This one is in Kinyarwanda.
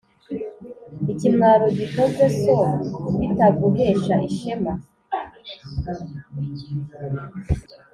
ikimwaro gikoze so, bitaguhesha ishema